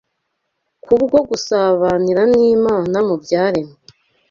Kubwo gusabanira n’Imana mu byaremwe